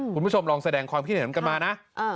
คุณผู้ชมลองแสดงความคิดเห็นกันมานะ